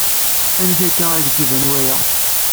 Amek akka i ak-d-iban waya?